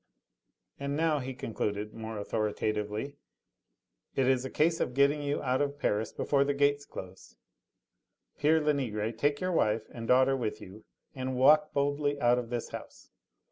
"And now," he concluded more authoritatively, "it is a case of getting out of Paris before the gates close. Pere Lenegre, take your wife and daughter with you and walk boldly out of this house.